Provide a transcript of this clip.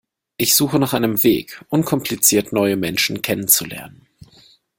Ich suche nach einem Weg, unkompliziert neue Menschen kennenzulernen.